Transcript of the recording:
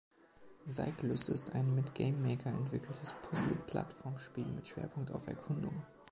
Seiklus ist ein mit GameMaker entwickeltes Puzzle-Plattformspiel mit Schwerpunkt auf Erkundung.